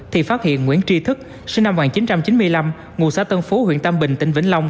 thì phát hiện nguyễn tri thức sinh năm một nghìn chín trăm chín mươi năm ngụ xã tân phú huyện tam bình tỉnh vĩnh long